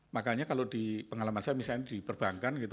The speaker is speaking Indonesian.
makanya kalau di pengalaman saya misalnya di perbankan gitu